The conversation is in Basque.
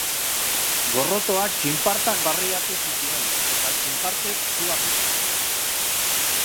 Gorrotoak txinpartak barreiatu zituen, eta txinpartek sua piztu.